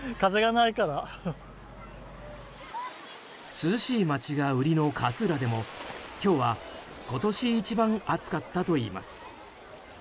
涼しい街が売りの勝浦でも今日は今年一番暑かったといいます。